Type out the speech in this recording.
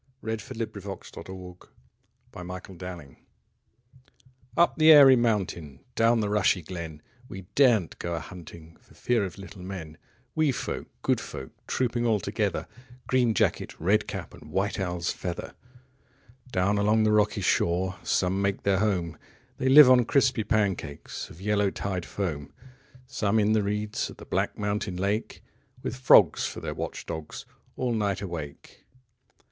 1824–1889 769. The Fairies UP the airy mountain, Down the rushy glen, We daren't go a hunting For fear of little men; Wee folk, good folk, 5 Trooping all together; Green jacket, red cap, And white owl's feather! Down along the rocky shore Some make their home, 10 They live on crispy pancakes Of yellow tide foam; Some in the reeds Of the black mountain lake, With frogs for their watch dogs, 15 All night awake.